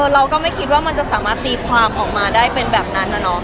เราก็ไม่คิดว่ามันจะสามารถตีพราหมณ์ออกมาได้เป็นแบบนั้น